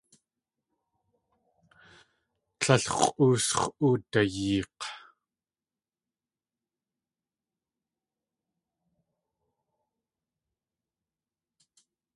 Tlél x̲ʼoosx̲ oodayeek̲.